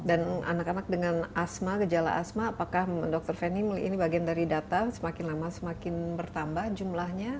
dan anak anak dengan asma gejala asma apakah dokter feni memilih ini bagian dari data semakin lama semakin bertambah jumlahnya